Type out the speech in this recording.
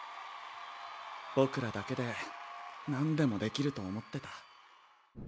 僕らだけでなんでもできると思ってた。